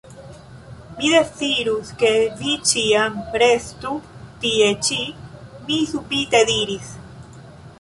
Mi dezirus, ke vi ĉiam restu tie ĉi, mi subite diris.